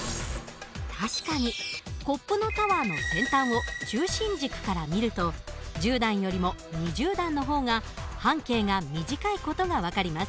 確かにコップのタワーの先端を中心軸から見ると１０段よりも２０段の方が半径が短い事が分かります。